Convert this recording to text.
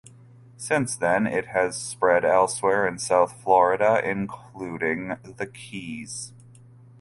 Since then it has spread elsewhere in South Florida including the Keys.